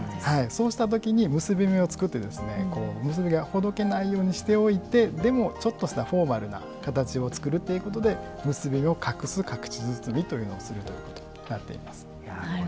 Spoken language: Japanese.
そうしたときに結び目を作って結びがほどけないようにしておいてでも、ちょっとしたフォーマルな形を作るということで、結びを隠す隠し包みというのをするということになっています。